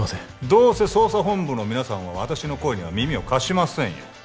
どうせ捜査本部の皆さんは私の声には耳を貸しませんよ